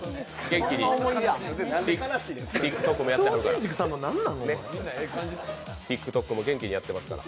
ＴｉｋＴｏｋも元気にやってますから。